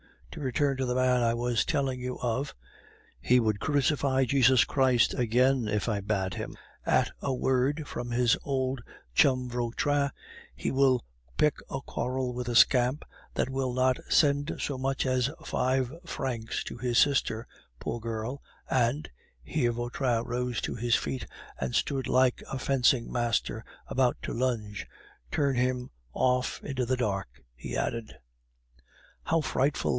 To return to the man I was telling you of. He would crucify Jesus Christ again, if I bade him. At a word from his old chum Vautrin he will pick a quarrel with a scamp that will not send so much as five francs to his sister, poor girl, and" (here Vautrin rose to his feet and stood like a fencing master about to lunge) "turn him off into the dark!" he added. "How frightful!"